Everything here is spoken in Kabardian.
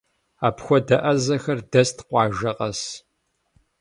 Апхуэдэ ӏэзэхэр дэст къуажэ къэс.